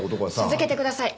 続けてください。